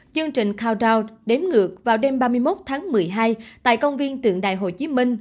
chương trình countdownd đếm ngược vào đêm ba mươi một tháng một mươi hai tại công viên tượng đài hồ chí minh